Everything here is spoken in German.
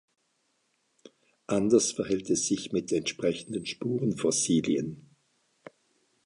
Anders verhält es sich mit entsprechenden Spurenfossilien.